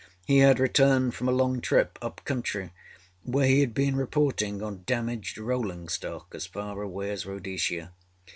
He had returned from a long trip up country, where he had been reporting on damaged rolling stock, as far away as Rhodesia.